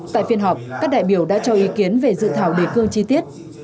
tại phiên họp các đại biểu đã cho ý kiến về dự thảo đề cương chi tiết